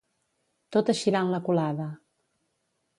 Tot eixirà en la colada.